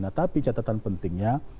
nah tapi catatan pentingnya